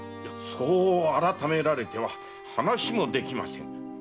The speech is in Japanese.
そう改められては話もできません